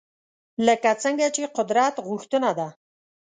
لکه څنګه چې قدرت غوښتنه ده